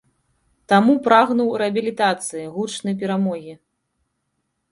Таму прагнуў рэабілітацыі, гучнай перамогі.